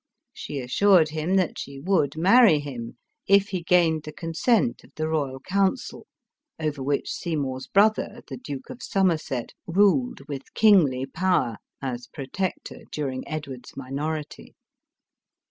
She assured him that she would marry him, if he gained the consent of the royal council, over which Seymour's brother, the Duke of Somerset, ruled with kingly power, as protector during Edward's minority.